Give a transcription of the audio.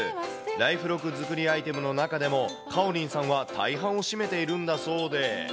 ライフログ作りアイテムの中でも、かおりんさんは大半を占めているんだそうで。